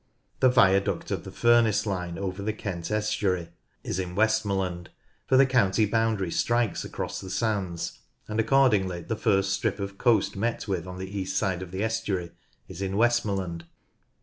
The viaduct of the Furness line over the Kent estuary is in Westmorland, for the county boundary strikes across the sands, and accordingly the first strip of coast met with on the east side of the estuary is in Westmorland.